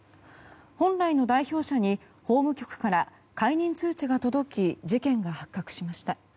本来の代表者に法務局から解任通知が届き事件が発覚しました。